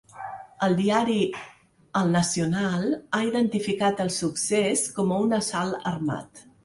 El diari ‘El Nacional’ ha identificat el succés com a un “assalt armat”.